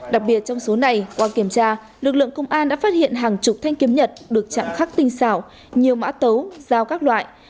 đặc biệt trong số này qua kiểm tra lực lượng công an đã phát hiện hàng chục thanh kiếm nhật được chạm khắc tinh xảo nhiều mã tấu dao các loại